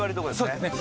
そうですね